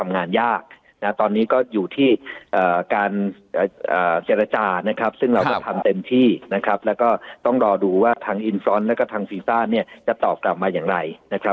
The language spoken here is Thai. นะครับว่าต้องรอดูว่าทางอินฟรอนต์และกับทางสีต้านเนี่ยจะตอบกลับมา